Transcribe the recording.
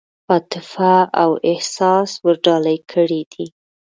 عاطفه او احساس ورډالۍ کړي دي.